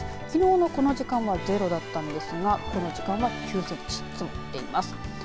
きのうのこの時間はゼロだったんですがこの時間は９センチ積もっています。